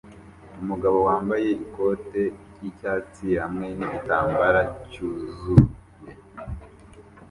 Umugabo wambaye ikote ry'icyatsi hamwe nigitambara cyuzuye